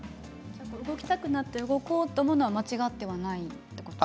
動きたくなって動こうと思うのは間違いではない？